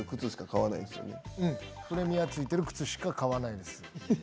うんプレミアついている靴しか買わないです。